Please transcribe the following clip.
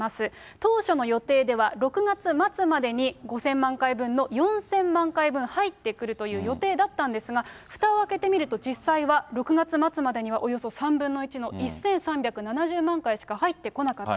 当初の予定では、６月末までに５０００万回分の４０００万回分、入ってくるという予定だったんですが、ふたを開けてみると実際は６月末までにはおよそ３分の１の１３７０万回しか入ってこなかった。